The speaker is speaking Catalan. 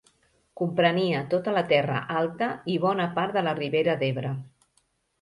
Comprenia tota la Terra Alta i bona part de la Ribera d'Ebre.